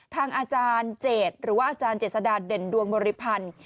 ทางอาจารย์เจดหรือว่าอาจารย์เจษฎาเด่นดวงบริพันธ์